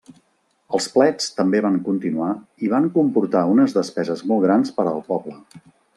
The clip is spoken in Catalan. Els plets també van continuar i van comportar unes despeses molt grans per al poble.